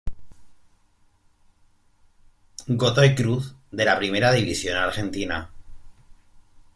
Godoy Cruz de la Primera División de Argentina